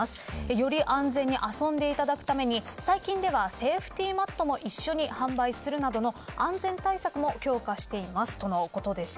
より安全に遊んでいただくために最近ではセーフティーマットも一緒に販売するなどの安全対策も強化していますとのことでした。